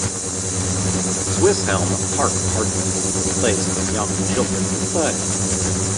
Swisshelm Park Parklet is the place for young children to play.